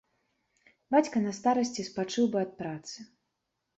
Бацька на старасці спачыў бы ад працы.